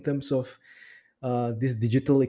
dalam bidang ekonomi digital ini